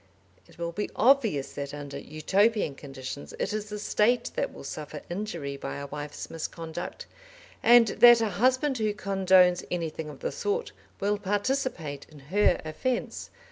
It will be obvious that under Utopian conditions it is the State that will suffer injury by a wife's misconduct, and that a husband who condones anything of the sort will participate in her offence.